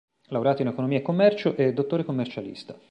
Laureato in Economia e commercio, è dottore commercialista.